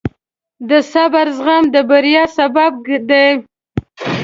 د صبر زغم د بریا سبب دی.